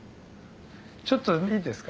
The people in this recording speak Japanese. ちょっといいですか？